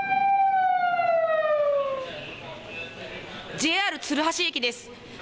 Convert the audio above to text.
ＪＲ鶴橋駅です。